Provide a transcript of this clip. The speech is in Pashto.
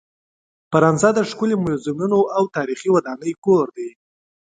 فرانسه د ښکلې میوزیمونو او تاریخي ودانۍ کور دی.